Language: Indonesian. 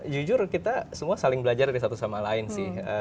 jujur kita semua saling belajar dari satu sama lain sih